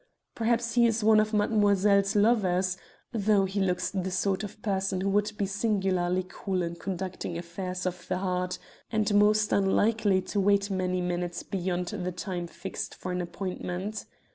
Perhaps he is one of mademoiselle's lovers, though he looks the sort of person who would be singularly cool in conducting affairs of the heart, and most unlikely to wait many minutes beyond the time fixed for an appointment.